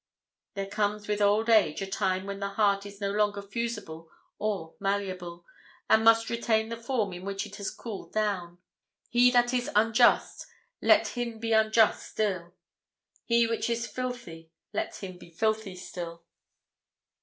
There comes with old age a time when the heart is no longer fusible or malleable, and must retain the form in which it has cooled down. 'He that is unjust, let him be unjust still; he which is filthy, let him be filthy still.'